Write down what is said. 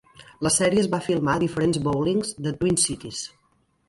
La sèrie es va filmar a diferents bowlings de Twin Cities.